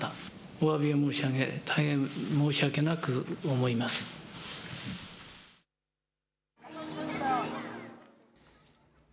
おわびを申し上げ大変申し訳なく思います。